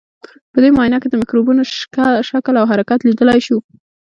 په دې معاینه کې د مکروبونو شکل او حرکت لیدلای شو.